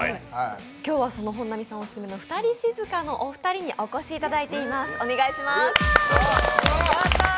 今日は本並さんオススメのフタリシズカのお二人にお越しいただいています。